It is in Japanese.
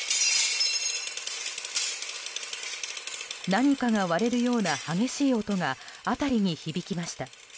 何かが割れるような激しい音が辺りに響きました。